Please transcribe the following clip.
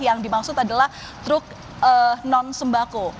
yang dimaksud adalah truk non sembako